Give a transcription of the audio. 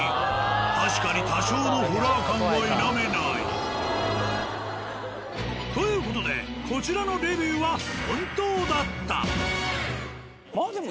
確かに多少のホラー感は否めない。という事でこちらのレビューは本当だった。